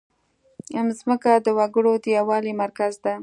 مځکه د وګړو د یووالي مرکز ده.